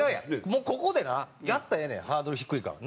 もうここでなやったらええねんハードル低いから。